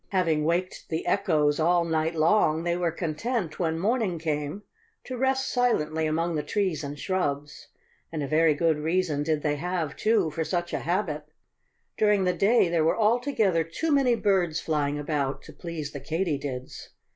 Having waked the echoes all night long, they were content, when morning came, to rest silently among the trees and shrubs. And a very good reason did they have, too, for such a habit. During the day there were altogether too many birds flying about, to please the Katydids.